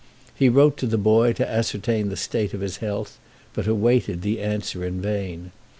He wrote to the boy to ascertain the state of his health, but awaited the answer in vain.